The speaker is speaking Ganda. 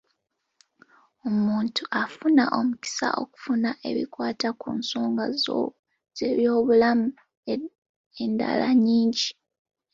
Omuntu afuna omukisa okufuna ebikwata ku nsonga z’ebyobulamu endala nnyingi.